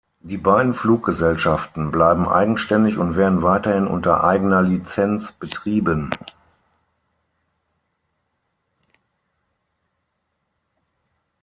Die beiden Fluggesellschaften bleiben eigenständig und werden weiterhin unter eigener Lizenz betrieben.